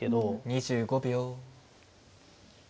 ２５秒。